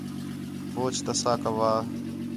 ہوچ تَسّہ کَوّا